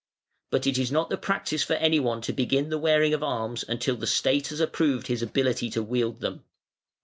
But it is not the practice for any one to begin the wearing of arms until the State has approved his ability to wield them.